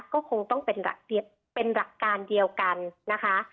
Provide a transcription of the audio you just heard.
ก็คงต้องเป็นหลักการเดียวกันนะคะ